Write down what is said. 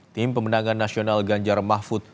tim pemenangan nasional ganjar mahfud